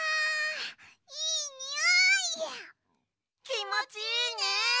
きもちいいね！